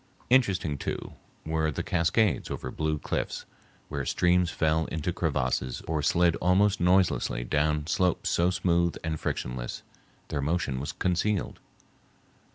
Interesting, too, were the cascades over blue cliffs, where streams fell into crevasses or slid almost noiselessly down slopes so smooth and frictionless their motion was concealed.